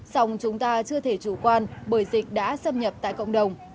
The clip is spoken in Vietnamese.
song chúng ta chưa thể chủ quan bởi dịch đã xâm nhập tại cộng đồng